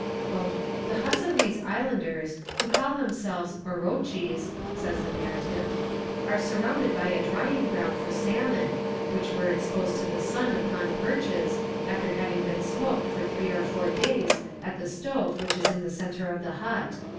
"The huts of these islanders, who call themselves Orotchys," says the narrative, "are surrounded by a drying ground for salmon, which were exposed to the sun upon perches, after having been smoked for three or four days at the stove which is in the centre of the hut.